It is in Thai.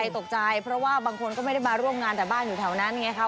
ตกใจเพราะว่าบางคนก็ไม่ได้มาร่วมงานแต่บ้านอยู่แถวนั้นไงครับ